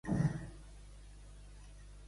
Quines obres per a ràdio va crear Alberto Savinio?